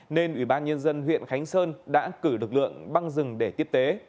nên ủy ban nhân dân huyện khánh sơn đã cử lực lượng băng rừng để tiếp tế